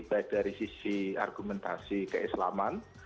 baik dari sisi argumentasi keislaman